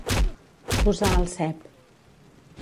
Posar al cep.